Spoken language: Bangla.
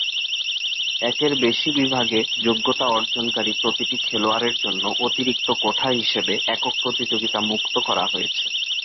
একের বেশি বিভাগে যোগ্যতা অর্জনকারী প্রতিটি খেলোয়াড়ের জন্য অতিরিক্ত কোঠা হিসাবে একক প্রতিযোগিতা মুক্ত করা হয়েছে।